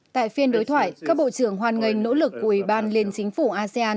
tại phiên đối thoại các bộ trưởng hoan nghênh nỗ lực của ủy ban liên chính phủ asean